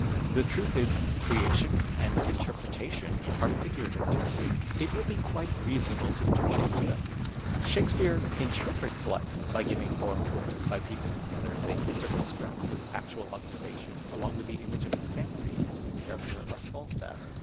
The truth is, " creation " and " interpretation " are figurative terms ; it would be quite reasonable to intereiiange tiicm. Shake speare " interprets " life by gi\'ing form to it, by piecing together, say, certain scraps of actual obser vation along witli the image of his fancy into tlie character of Falstaff.